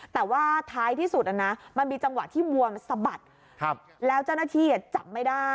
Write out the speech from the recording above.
แต่ถ้ายที่สุดมันมีจังหวะที่วัวมันสะบัด